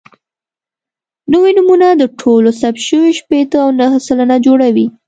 نوي نومونه د ټولو ثبت شویو شپېته او نهه سلنه جوړوي.